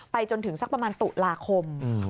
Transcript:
จนถึงสักประมาณตุลาคม